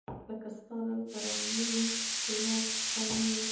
لکه ستا دلته رنګینې ښکالو ګانې